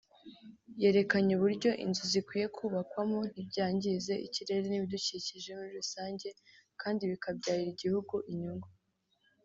yerekanye uburyo inzu zikwiye kubakwamo ntibyangize ikirere n’ibidukikije muri rusange kandi bikabyarira igihugu inyungu